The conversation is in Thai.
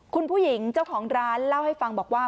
คุณผู้หญิงเจ้าของร้านเล่าให้ฟังบอกว่า